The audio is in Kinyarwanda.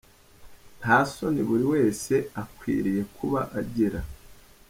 Nta soni buri wese akwiriye kuba agira.